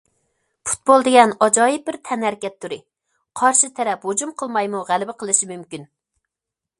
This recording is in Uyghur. پۇتبول دېگەن ئاجايىپ بىر تەنھەرىكەت تۈرى، قارشى تەرەپ ھۇجۇم قىلمايمۇ غەلىبە قىلىشى مۇمكىن.